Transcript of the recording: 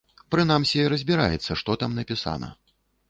Прынамсі, разбіраецца, што там напісана.